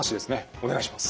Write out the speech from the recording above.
お願いします。